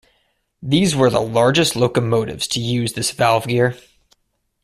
These were the largest locomotives to use this valve gear.